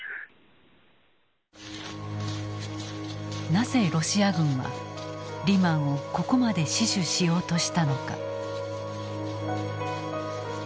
なぜロシア軍はリマンをここまで死守しようとしたのか。